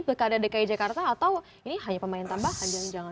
keadaan dki jakarta atau ini hanya pemain tambahan